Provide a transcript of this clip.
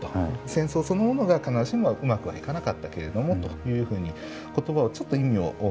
戦争そのものが必ずしもうまくはいかなかったけれどもというふうに言葉をちょっと意味を変えたりしている。